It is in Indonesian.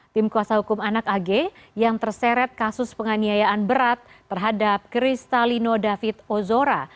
tim kuasa hukum anak ag yang terseret kasus penganiayaan berat terhadap kristalino david ozora